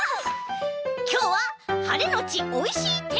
きょうははれのちおいしいてんきです！